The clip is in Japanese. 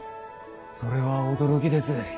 それは驚きです。